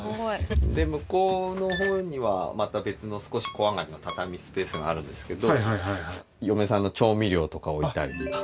で向こうの方にはまた別の少し小上がりの畳スペースがあるんですけど嫁さんの調味料とかを置いたり。